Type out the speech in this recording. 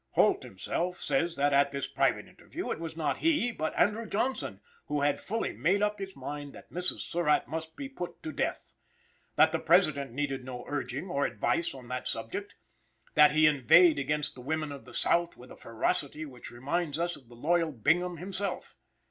Holt himself says that, at this private interview, it was not he, but Andrew Johnson, who had fully made up his mind that Mrs. Surratt must be put to death; that the President needed no urging or advice on that subject; that he inveighed against the women of the South with a ferocity which reminds us of the loyal Bingham himself.